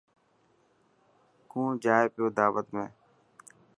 ڪوڻ جائي پيو داوت ۾.